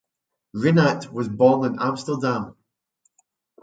Rinat was born in Amsterdam.